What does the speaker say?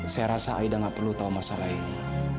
saya rasa aida nggak perlu tahu masalah ini